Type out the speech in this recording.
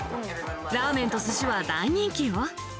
ラーメンとすしは大人気よ。